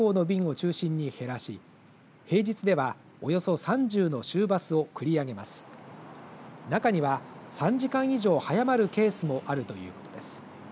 中には３時間以上早まるケースもあるということです。